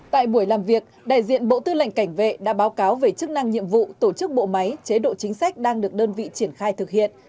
tại buổi làm việc đại diện bộ tư lệnh cảnh vệ đã báo cáo về chức năng nhiệm vụ tổ chức bộ máy chế độ chính sách đang được đơn vị triển khai thực hiện